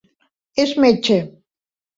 És metge.